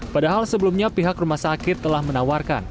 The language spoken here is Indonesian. padahal sebelumnya pihak rumah sakit telah menawarkan